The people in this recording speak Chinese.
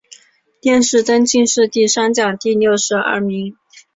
殿试登进士第三甲第六十二名。